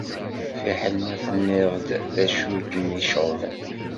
Fiḥel ma tenniḍ-d d acu i kem-iceɣben.